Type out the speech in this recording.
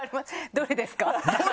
「どれですか？」